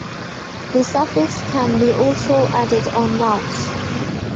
This suffix can be also added on nouns.